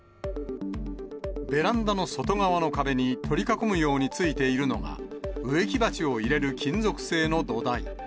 ベランダの外側の壁に取り囲むようについているのが、植木鉢を入れる金属製の土台。